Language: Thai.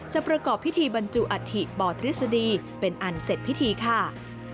ประกอบพิธีบรรจุอัฐิป่อทฤษฎีเป็นอันเสร็จพิธีค่ะ